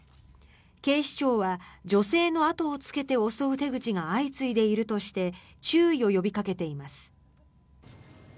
警視庁は女性の後をつけて襲う手口が相次いでいるとして注意を呼びかけています。